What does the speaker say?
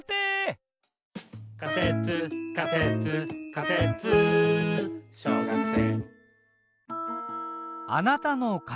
「仮説仮説仮説小学生」